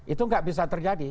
itu tidak bisa terjadi